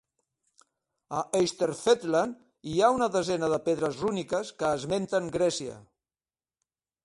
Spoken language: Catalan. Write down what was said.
A Österfötland hi ha una desena de pedres rúniques que esmenten Grècia.